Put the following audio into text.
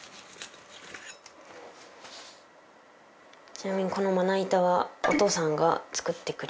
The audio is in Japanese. ちなみにこのまな板はお父さんが作ってくれました。